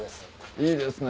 いいですね